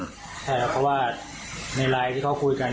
ใช่ครับเพราะว่าในไลน์ที่เขาคุยกัน